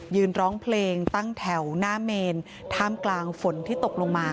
ยืนร้องเพลงตั้งแถวหน้าเมนท่ามกลางฝนที่ตกลงมา